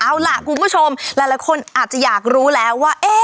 เอาล่ะคุณผู้ชมหลายคนอาจจะอยากรู้แล้วว่า